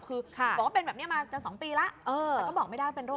คือบอกว่าเป็นแบบนี้มาจะ๒ปีแล้วแต่ก็บอกไม่ได้เป็นโรค